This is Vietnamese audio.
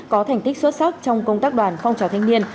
có thành tích xuất sắc trong công tác đoàn phong trào thanh niên